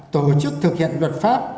tổ chức thực hiện luật pháp